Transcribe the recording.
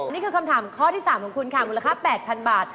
นี่คือคำถามข้อที่๓ของคุณค่ะมูลค่า๘๐๐๐บาท